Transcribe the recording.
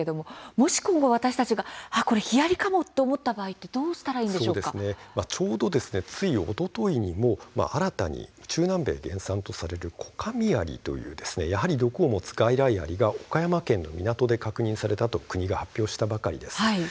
もし私たちがヒアリかもと思った場合はつい、おとといにも新たに中南米原産とされるコカミアリという毒を持つ外来アリが、岡山県の港で確認されたと国が発表したばかりです。